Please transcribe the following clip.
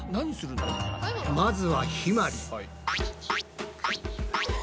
まずはひまり。